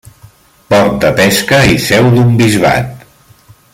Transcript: Port de pesca i seu d'un bisbat.